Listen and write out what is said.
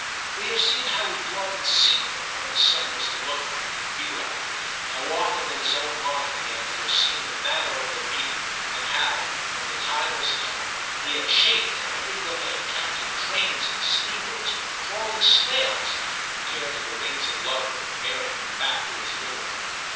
We have seen how he dwelt in secret on what his son was to look like, and be like ; how often in his own mind he had foreseen the manner of their meeting ; and how, when the time was come, he had chafed at every delay, count ing trains and steamboats but crawling snails compared to the wings of love that were bearing him back to his little one.